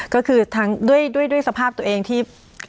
ก็คือด้วยสภาพตัวเองที่